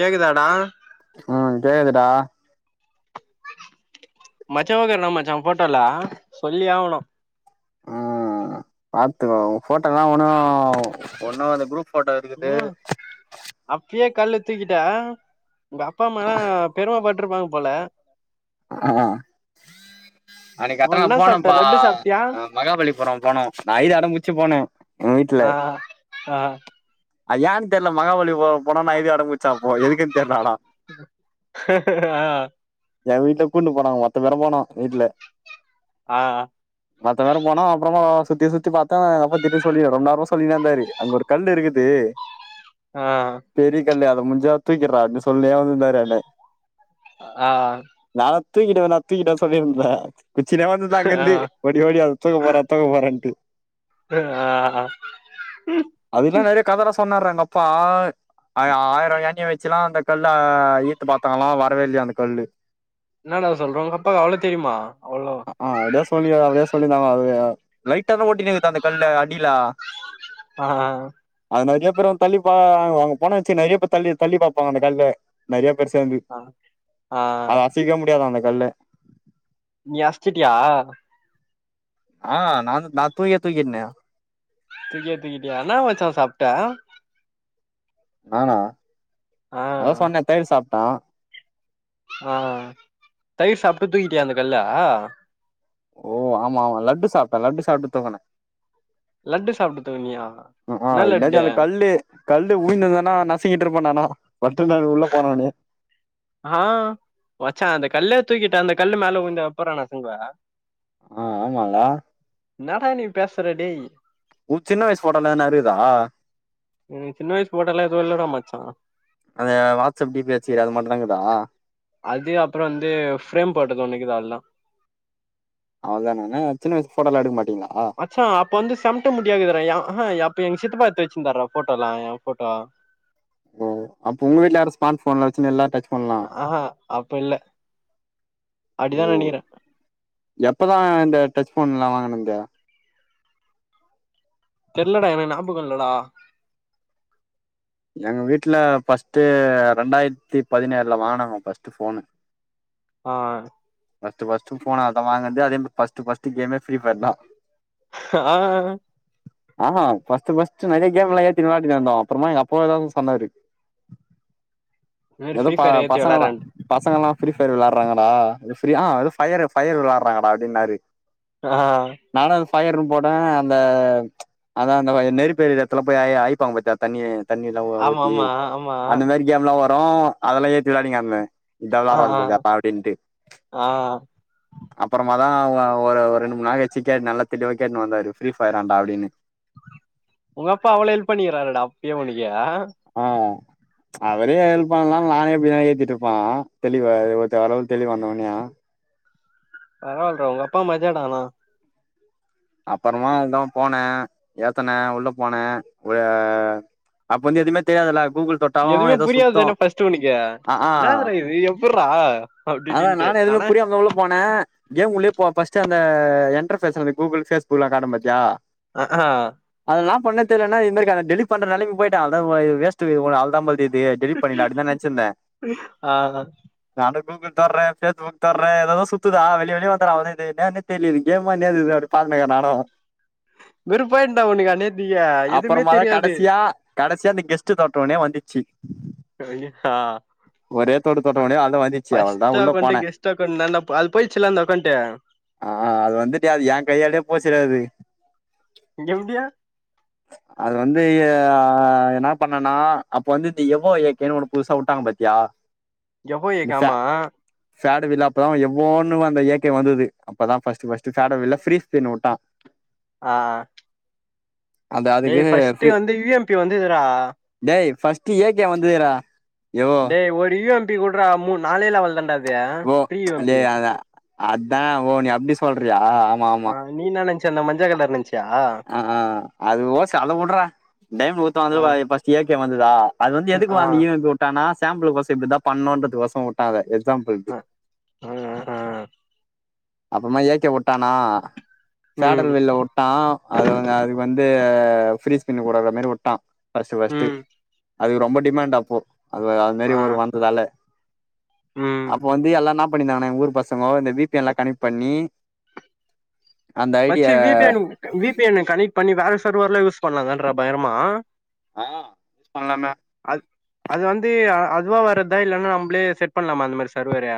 கேக்குதாடா ம் கேக்குதுடா மச்சோக என்னா மச்சா ஃபோட்டோல சொல்லியே ஆவணு ம் பாத்துகோ உ ஃபோட்டோல்லா ஒன்னு ஒன்னோட குரூப் ஃபோட்டோ இருக்குது ம் அப்பயே கல்லு தூக்கிட்ட உங்க அப்பா அம்மாலா பெருமப்பட்ருப்பாங்க போல அ அன்னிக் அத்தா மொதல்ல நா என்ன சாப்ட்ட போனம்பா லட்டு சாப்ட்டியா அ மகாபலிபுரோ போனோ நா அழ்து அடம் புடிச்சு போனே எங்க வீட்ல அ அது எ தெர்ல மகாபலிபுரோ போனு நா அழ்து அடம் புடிச்சே அப்போ எதுக்குன் தெர்ல ஆனா ஆ எ வீட்ல கூன்ட்டு போனாங்க மொத்த பேரு போனோ வீட்ல ஆ மத்த எல்லாரு போனோ அப்புறோமா சுத்தி சுத்தி பாத்த எங்கப்பா திட்டி சொல்லி ரொம்ப நேரமா சொல்லினேருந்தாரு அங்க ஒரு கல் இருக்குது ஆ பெரிய கல்லு அத முஞ்சா தூக்கிறா அப்டின் சொல்னே வந்துந்தாரு என்ன ஆ நாதா தூக்கிடுவே நா தூக்கிட்டே சொல்லிருந்தே குச்சினே வந்து நா அங்க ஆ இருந்து ஓடி ஓடி அத தூக்க போற தூக்க போறேன்ட்டு ஆ அதுல்லா நறைய கதலா சொன்னாரா எங்க அப்பா ஆ ஆயிரோ யானைய வெச்சுலா அந்த கல்ல ஈத்து பாத்தாங்கலா வரவே இல்லையா அந்த கல்லு என்னடா சொல்ற உங்க அப்பாக்கு அவ்ளோ தெரியுமா அவ்ளோ ஆ அப்டிதா சொல்லி அப்டியே சொல்லிருந்தாங்க அதுவே லைட்டாதா ஒட்டின்னுக்குது அந்த கல்ல அடில ஆ அது நறைய பேரு வந்து தள்ளிப்பா அங்க போனோ வெச்சு நறைய பேர் தள்ளி தள்ளி பாப்பாங்க அந்த கல்ல நறைய பேர் சேந்து ஆ ஆ தீக்க முடியாதா அந்த கல்ல நீ அஸ்சிட்டியா ஆ நானு நா துயே தூக்கிட்னே தூக்யே தூக்கிட்டியா என்னா மச்சா சாப்ட்ட நானா ஆ அதா சொன்னே தயிர் சாப்ட்டா ஆ தயிர் சாப்ட்டு தூக்கிட்டியா அந்த கல்ல ஓ ஆமா ஆமா லட்டு சாப்ட்டே லட்டு சாப்ட்டு தூகனே லட்டு சாப்ட்டு தூக்குனியா என்ன லட்டு கழ்ண்டு உழிந்ததுனா நசுக்கிட்டு இருப்பே நாலா பத்துருந்த உள்ள போனோனே ஆ மச்சா அந்த கல்லே தூக்கிட்ட அந்த கல்லு மேல உளுந்தா எப்புறா நாசுங்குவ ஆ ஆமால என்னடா நீ பேசுற டேய் உ சின்ன வயசு போட்டா இன்ன ன இருக்குதா ம் சின்ன வயசு போட்டோலா எது இல்லடா மாச்சா அது வாட்ஸ்அப்டி பே வச்சியே அது மட்டுந் தா இருக்குதா அது அப்புறோ வந்து ஃப்ரேம் போட்டது உனக்கு தா அல்லா அவ்ளதான னே சின்ன வயசு போட்டோலா எடுக்க மாட்டீங்களா மச்சா அப்ப வந்து சமட்ட முடியாதுகுடா அப்ப எங்க சித்தப்பா எடுத்து வச்சிருந்தாறு போட்டோ எா எ போட்டோ ஓ அப்ப உங்க வீட்ல யாரு ஸ்மார்ட் போன்ல வச்சு எல்லா டச் போன்லா ஆஹா அப்ப இல்ல அப்டிதா ஓ நெனைக்கிறே எப்பதா இந்த டச் போன் எல்லா வாங்கணு இந்த தெர்லடா எனக்கு ஞாபகோ இல்லடா எங்க வீட்ல ஃபஸ்ட்டு ரெண்டாயிரத்தி பதினேழுல வாங்னாங்க ஃபஸ்ட்டு ஃபோனு ஆ பஸ்ட்டு பஸ்ட்டு போன அதா வாங்கறது அதே பஸ்ட் பஸ்ட் கேமே ஃப்ரி ஃபையர் தா ஆ ஆ ஃபஸ்ட்டு ஃபஸ்ட்டு நெறைய கேம்லா ஏ தி விளயாடினு இருந்தோ அப்பறமா எ அப்பாஏதாவுது சொன்னாரு இந்த மாரி எதோ ஃப்ரீ ப ஃபயர் ஏத்தி பசங்கல்லா வெளாட்றேன்ட்டு பசங்க எல்லா ஃப்ரீஃபயர் விளையாடுறாங்கடா ஃப்ரீ அது ஃபயரு ஃபயரு விளாடுறாங்கடா அப்டினாரு ஆ நானு அது ஃபயர்னு போடே அந்த அதா அந்த நெருப்பு எரிர எடத்துல போய் ஆயிப்பாங்க பத்தியா தண்ணி தண்ணி எல்லா ஆமா ஊத்தி ஆமா ஆமா அந்த மாரி கேம் எலா வரு அதெல்லா ஏத்தி விளாடி காமி இதெல்லா ஆ ஆ இருப்பா அப்டின்னுட்டு ஆ அப்பறமா தா ஒரு ரெண்டு நாள் கழிச்சு கேட்டு நல்ல திட்டி கேட்டுன்னு வந்தாரு ஃப்ரீஃபயர் ஆண்டா அப்டின்னு உங்க அப்பா அவ்ள ஹெல்ப் பண்ணிக்கிறாறடா அப்யே உனக்கு ஆ அவரே எழுப்பன்லா நாளு நானே எப்டினாலு ஏத்திட்டு இருப்போ தெளிவ ஒருத்த வரவு தெளிவு வந்த உடனே பரவால்டா உங்க அப்பா மஜாடா ஆனா அப்றமா அதுல்தா போனே ஏத்னே உள்ள போனே ஒரே அப்ப வந்து எதுவுமே தெரியாதுல்ல கூகுள் தொ எதுவுமே புரியாது தானே பஸ்ட்டு உனக்கு ஆ என்னதுடா இது எப்புட்றா அதா அப்டின்ட்டு நானுஎதுவுமே ஆனா புரியாம தா உள்ள போனே கேம் உள்ளயே போவ ஃபர்ஸ்டு அந்த எண்டர் ஃபேஸ்லந் கூகுள் பேஸ்புக் லா காட்டு பாத்தியா ஆ ஆ அதெல்லா பண்ண தெரியலனா என்னருக்கு அ டெலிட் பன்றநெலமக்கி போய்ட்ட அவ்ளதா வேஷ்ட் ஓ அவ்ள்தா போல்யிது டெலிட் பண்ணிலா அப்டிதா நனச்சிந்தே ஆ நானு கூகுள் தர்ரே பேஸ்புக் தர்ரே ஏதாது சுத்துதா வெளி வெளிய வந்துறா அவ ஏனே எனு தெரியல கேம்பா என்னது இது பானுமே இனுக்கே நானு [inaudible] வெறுப்பாயிடுண்டா உனக்கு அந்நேரத்துக்கு எதுவுமே அப்புறமதா தெரியாது கடசியா கடசியா இந்த கெஸ்ட்ட தொட்டோனே வந்து ச்சி ஆ ஒரே தொட்டு தொட்ட ஒனே அத வந்துச்சு அவ்ளோ தா ட்ரா உள்ள அக்கோண்டு போனே கெஸ்ட் அக்கோண்டுன ந அது போயிர்ச்சுல அந்த அக்கோண்டு ஆ அது வந்துட்டு அது ஏ கையாலே போச்சிடா அது எப்டி அது வந்து ஆ என்ன பண்ணனா அப்போ வந்து இது எவ்வோ எக்குன்னு ஒன்னு புதுசா வுட்டாங்க பாத்தியா எவ்வோ எக்கு ஆமா சாடுவில அப்பதா எவ்வோன்னு அந்த எக்கு வந்துது அப்பதா ஃபஸ்ட்டு ஃபஸ்ட்டு சாடுவில ஃப்ரீ ஷிப்பிங் உட்டா ஆ அந்த டேய் அதுக்கு ஃபஸ்டு ஃப்ரீ வந்து வி எம் பி வந்துதுறா டேய் ஃபஸ்ட்டு ஏ கே வந்துதுறா டே ஒரு இ எம் பி குட்றா மூ நாலே லெவல் தான்டா அது ஃப்ரீ ஓக் யூ எம் இலே பி அத அதா ஓ நீ அப்டி சொல்றியா ஆமா ஆ ஆமா நீ என்ன நெனச்ச அந்த மஞ்ச கலர் நெனச் ஆ ஆ அது ஓஸ்சு அத வுட்றா டைம் ஒர்த்த ஆ வந்துட் பஸ்ட் ஏ கே வந்துதா அது வந்து எதுக்கு ஆ ஆ ஒன் ஏ வந்து வுட்டானா சாம்புளுக்கு ஓசோ இப்டி தா பண்ணுன்றதுக் ஒசோ வுட்டா எக்ஸாம்புள்கு ஆ ஆ அப்றமா ஏ கே வுட்டானா ம் சேடல் வெல் ட்டா அது வந் அதுக்கு வந்து ஃபிரீஸ் பண்ணி கொடற மாரி உட்டா ஃபஸ்ட்டு ஃபஸ்ட்டு ம் அதுக் ரொம்ப டிமாண்ட் அப்போ அது அது மாரி ஆ ஒரு வந்ததால ம் அப்ப வந்து எல்லா ன்னா பண்ணிருந்தாங்னா எங்க ஊர் பசங்கோ இந்த வீபி என்லா கனெக்ட் பண்ணி அந்த ஐடிய மச்சி V P N [inaudible] V P N connect பண்ணி வேற சர்வர்லா யூஸ் பண்ணலாதான்ற பயங்கரமா ஆ பண்லாமே அத் அது வந்து அதுவா வர்றதா இல்லன்னா நம்ளே செட் பண்லாமா அந்த மாரி சர்வரு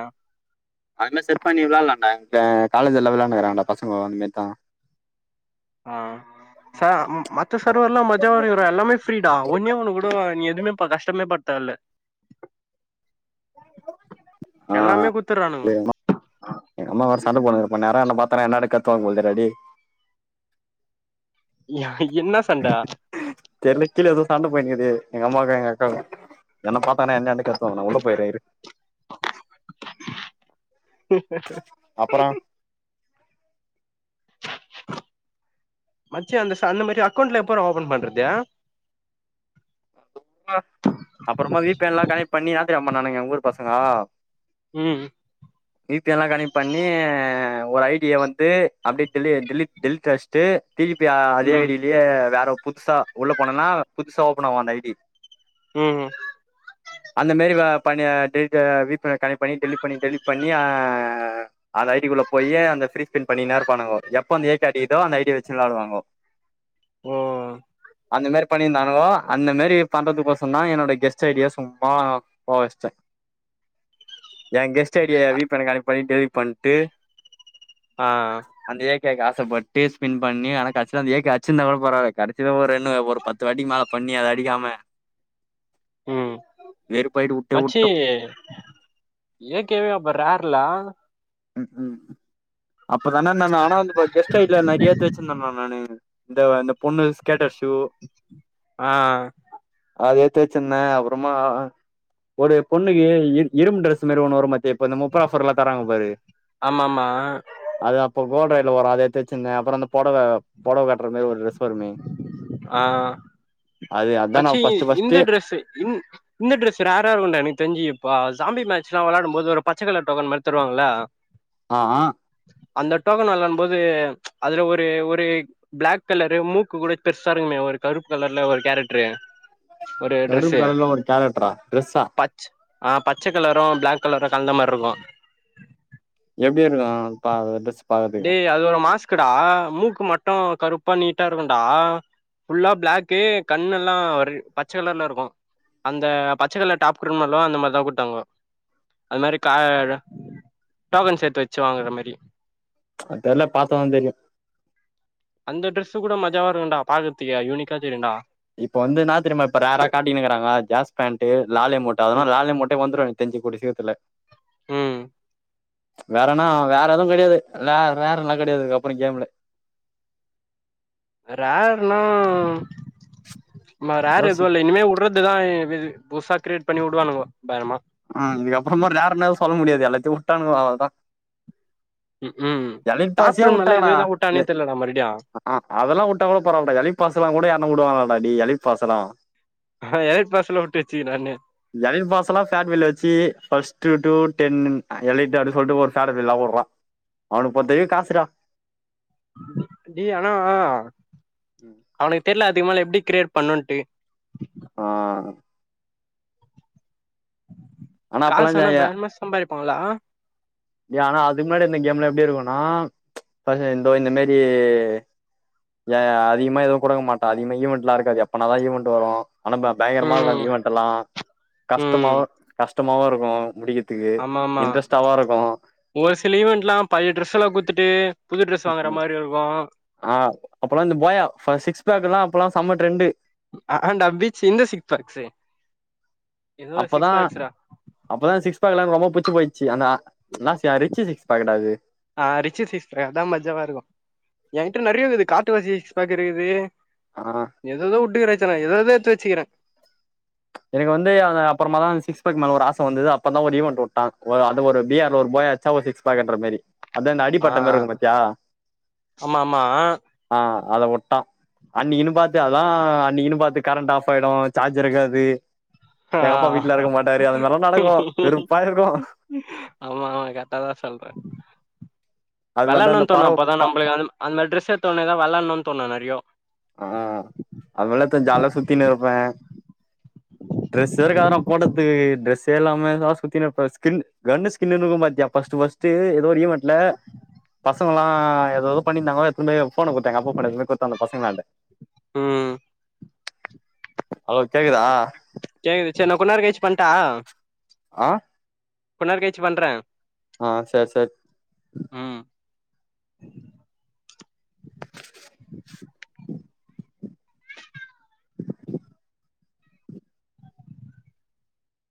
அது மேரி செர் பண்ணி விளாட்லான்டா த காலேஜ்லலா விளாட்னுக்குறாங்க பசங்கோ அந்த மேரிதா ஆ ச மத்த சர்வர்லா மஜாவா இருக்குறா எல்லாமே ஃப்ரீடா ஒன்னே ஒன்னு கூட நீ எதுமே ப கஷ்டமே பட தேவல்ல எல்லாமே ஆ குத்துர்றானுங்க எங்க அம்மா வேற சண்ட போடுது இப்ப நேரா என்ன பாத்தர என்ன டே காத்துவாங் போ தெரிதுறா டே யா இன்ன சண்ட தெர்ல கீழ எதோ சண்ட போய்ட்க்குது எங்க அம்மாவுக்கு எங்க அக்காக்கு என்ன பாத்தானா என்ன எண்டுக்க க நா உள்ள போய்றே இரு அப்பறோ மச்சி அந்த சன் அந்த மரி அக்கொண்ட்ல எப்பர்றா ஓப்பன் பண்றது அப்பறமா வீ பி என்லா கனெக்ட் பண்ணி என்னா தெரிமா பண்ணானுங்க எங்க ஊர் பசங்கோ ம் வீ பி என் லா கனெட் பண்ணி ஒரு ஐடிய வந்து அப்டே டெலி டெலிட் டெலிட் அடிச்சுட்டு திருப்பி அ அதே ம் ஐடிலியே வேற புதுசா உள்ள போனனா புதுசா ஓப்பன் ஆவு அந்த ஐடி ம் ம் அந்த மேரி வ பணி டெலிட் வீ பி என்ன கனெக்ட் பண்ணி டெலிட் பண்ணி டெலிட் பண்ணி ஆ அந்த ஐடிக்குள்ள போயி அந்த ஃப்ரீ [unintelligible] பண்ணிக்கின்னே இருப்பானுங்கோ எப்ப அந்த ஏக் கெடைக்தோ அந்த ஐடி வச்சு விளாடுவாங்கோ ஓ அந்த மேரி பண்ணிருந்தானங்கோ அந்த மேரி பண்றத்துக்கோசந்தா என்னோட கெஸ்ட் ஐடிய சும்மா போ வச்சிட்டே ஏன் கெஸ்ட் ஐடிய வீ பி என்ல கனெக்ட் பண்ணி டெலிட் பண்ட்டு ஆ அந்த ஏக்கேக்கு ஆசைப்பட்டு ஸ்பின் பண்ணி ஆனா கடைசில அந்த ஏக்கே அச்சிந்தா கூட பரவால கடச்சது ஒரு என்ன ஒரு பத்து வாட்டிக்கு மேல பண்ணி அத அடிக்காம ம் வெறுப்பாயிட்டு வுட்டே மச்சி வுட்டோ ஏக்கேவ அப்ப ரேர்ல்லா ம் ம் அப்பதான நான் ஆனா அந்து கெஸ்டாய்ட்ல்ல நெறையா எத்து வச்சிருந்தே நானு இந்த இந்த பொண்ணு ஸ்கேட்டர் ஷு ஆ அத எத்துவச்சுர்ந்த அப்புறம்மா ஒரு பொண்ணுக்கு இர் இரும்பு டிரெஸ் மேரி ஒன்னு வரு மத்தியா இப்ப இந்த முப்பர ஆஃபர்ல்ல தராங்க பாரு ஆம்ம ஆம்மா அது அப்போ கோடயர்ல வரு அது எத்து வெச்சுர்ந்த அப்புற அந்த பொடவ கட்டுற மேரி ஒரு ட்ரஸ்வருமே ஆ அதா நா மச்சி ஃபர்ஸ்ட் ஃபர்ஸ்ட் இந்த ட்ரெஸ்ஸு இன் இந்த டிரஸ் ரேரா இருக்குன்டா எனக் தெஞ்சுப்ப சாம்பி மேட்ச்லா விளாடும்போது ஒரு பச்சகல டோக்கன் மாரி தருவாங்கள்ள [unintelligible] அ அ அந்த டோக்கன் விளாம்போது அதுல ஒரு ஒரு பிளாக் கலரு மூக்கு குட பெர்சா இருக்குமே ஒரு கருப்பு கலர்ல ஒரு கேரட்ரு கருப்கலல்ல ஒரு கேரக்டரா டிரெஸ்ஸா பச் ஆ பச்ச கலரும் பிளாக் கலரும் கலந்த மாரிருக்கு எப்டிஇர்க்கு பாக்க ட்ரெஸ்ஸு டேய் அது ஒரு மாஸ்குடா மூக்கு மட்டு கருப்பா நீட்டா இருக்குன்டா ஃபுல்லா பிளாகக்கு கண்ணுல்லா ரெ பச்சகலர்ல்ல இர்க்கு அந்த பச்சகலர் டாப் குடுமல்லோ அந்த மார்தாகுட்டாங்கோ அத மேரி காரு டோக்கன் சேத்து வெச்சு வாங்குர மேரி அத் தெர்ல்ல பாத்ததா தெரியு அந்த டிரெஸ்ஸுகூட மஜாவா இருக்குண்டா பாக்கதுக்கே யுனிக்கா தெரியுண்டா இப்ப வந்து என்னா தெரிமா இப்ப ரேர்றா காட்டினுருக்கிறாங்க ஜாஸ்பேண்ட் லாலே மட்ட ம் அதுனால லாலே மூட்டே வந்துரு தெஞ்சு குடிசே தெர்ல ம் வேறன்னா வேற எதுவு கெடையாது வே வேற எல்லாம் கெடையாதுக்கு அப்பற கேம்முல ரேர்னா மா ரேர் யோசி எதுவுஇல்ல இனிமே வுடுறது துதாஇனி புசா கிரியேட் பண்ணி வுடுவானுங்கோ பயங்ரமா ஆ இகு அப்புறமா ரேர்னா எது சொல்ல முடியாது எல்லாத்தையு வுட்டானுங்க அவள்தா ம்கும் எலைப்பாசியா டாப்புல மொல்ல எதுதா வுட்டானே தெர்லடா மறுடியு அஆ அதெல்லா வுட்டாகூட பரவால்ட்டா எலிட்பாசல்லா கூட யார்ண்ணா வுடுவாங்களாடா எலிட்பாசல்லா ஆஹ எளைட் பாசல்ல வுட்டு வெச்சிக்றானே எலைட் பாஸல்லா தாட் பில்ல வெச்சு ஃபஸ்ட் டூ டென்னுன் எலெட் ஆட சொல்ட்டு ஒர் சாட்ட பெய்ல்லா அவுனுக்பொத்துகே காசுரா டே ஆனாஅ அவுனுக் தெர்ல அதுக்மேல எப்டி கிரேயேட் பன்னுன்ட்டு அ ஆனா அப்பல்லா ஜா காஸ்ஆன்னா பயம்மா சம்பாரிப்பாங்கள்ள ஆ டே ஆனா அதுக்கு முன்னாடி இந்த கேம்ல எப்டி இருக்குன்னா ஃபஸ்ட் ந்தோ இந் இந்த மேரி ஏ அதிக எதுவும்குடுக்மாட்டன் அதிகமா ஈவண்ட்ல்லா இருக்காது எப்பனாதா ஈவண்ட்டு வரு ஆனாப்ப பயங்கரமாருக்கு அந்த ம் ஈவெண்ட் எல்லா கஷ்டமாவ ம் கஷ்டமாவு இருக்கு முடிக்கத் துக்கு ஆமா ஆமா இன்ட்ரெஸ்ட்ஆவு இருக்கு ஒரு சில ஈவெண்ட்ல்லா பழைய டிரெஸ் எல்லா குத்துட்டு புது ட்ரெஸ் வாங்குற மாரி இர்க்கு ஆ அப்பெல்லா இந்த போயா சிக்ஸ் பேக்ல்லா அப்பல்லா சம்ம ட்ரெண்டு ஆ அ டா பீச்சு இந்த சிக் பேக்ஸு ஏதோ ஒரு அப்பதா சிக்ஸ் பேக்ஸ்டா அப்பதா சிக்ஸ் பாக்கலா எனக்கு ரொம்ப புச்சி போயிச்சு அந்தா நா சயா ரிச்சி சிக்ஸ் பேக்குடா அது ஆ ரிச்ச சீஸ்பேக்தா மஜாவா இருக்கு என்கிட்ட நறைய இது காட்டு வாசி சிகஸ்பேக் இருக்குது ஆ ஏது ஏதோ உட்டு கரைச்சோ ஏத எத்து வச்சுக்கிற எனக்கு வந்து அப்புறமா தா சிக்ஸ் ஒரு ஆசவந்தது அப்புறோதா ஒரு ஈவெண்ட் விட்டா ஒரு அது ஒரு பிஆர் ஒரு போயா ச்சா சிக்ஸ்பேக்குன்ற மாரி அத ஆ அடிபட்ட மாரி இருக்கு பாத்தியா ஆமா ஆமா ஆ அத ஒட்டா அன்னைக்குன்னு பாத்து அதா அன்னைக்குன்னு பாத்து கரண்ட் ஆஃப் ஆயிடு சார்ஜர் இருக்காது எங்க அப்பா வீட்டல இருக்க மாட்டாரு அந்த மேர்ல்லா நடக்கு வெருப்பா இருக்கு ஆமா ஆமா கரெக்டா தா சொல்ற அது மாரிதா இந்த வெளாடணுன் தோண பறவ அப்போதா ப நம்மளுக்கு வந்து அந்த மாரி ட்ரெஸ் எத்தோனேதா வெளாட்னுன் தோணு நறைய ஆ அதுமால எத்தா ஜால்யா சுத்தினு இருப்ப [unintelligible] ட்ரெஸ்ஸே இருக்காதாடா போடதுக்கு டிரெஸ்ஸே இல்லாம சுத்தினு இப்ப ஸ்கின் கு கின்கும் பாத்தியா ஃபஸ்ட் ஃபஸ்ட் தே ஏதோ ஒரு இவன்ட்ல பசங்களலா ஏதேதோ பண்ணிதாங்கோ எத்துனு போய் எ ஃபோன குடுத்த எங்க அப்பா ஃபோன எத்துனு போய் குடுத்தா அந்த பசங்களாண்ட ம் அலோ கேக்குதா கேக்குது சேரி நா கொஞ்ச நேரோ கழிச்சி பண்ட்டா ஆ கொஞ் நேரோ கலிச்சி பண்ற ஆ சேர் சேர் ம் [unintelligible]